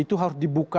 itu harus dibuka